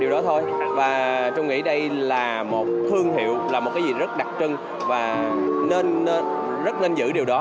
điều đó thôi và tôi nghĩ đây là một thương hiệu là một cái gì rất đặc trưng và nên rất nên giữ điều đó